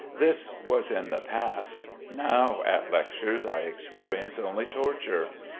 This was in the past. Now at lectures I experience only torture.